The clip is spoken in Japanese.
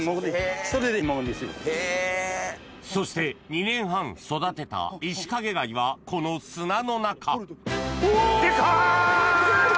そして２年半育てたイシカゲ貝はこの砂の中お！